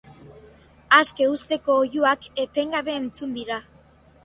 Aske uzteko oihuak etengabe entzun dira.